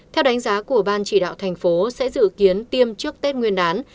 theo đánh giá của ban chỉ đạo thành phố sẽ dự kiến tiêm trước tết nguyên đán